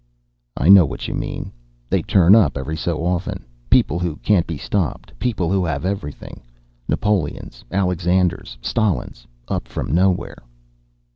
"I know what you mean. They turn up every so often. People who can't be stopped. People who have everything. Napoleons. Alexanders. Stalins. Up from nowhere."